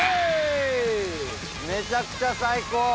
めちゃくちゃ最高。